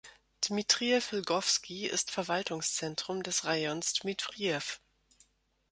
Dmitrijew-Lgowski ist Verwaltungszentrum des Rajons Dmitrijew.